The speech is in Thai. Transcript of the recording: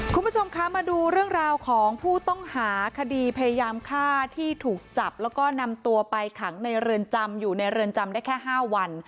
คุณผู้ชมคะมาดูเรื่องราวของผู้ต้องหาคดีพยายามฆ่าที่ถูกจับแล้วก็นำตัวไปขังในเรือนจำอยู่ในเรือนจำได้แค่๕วัน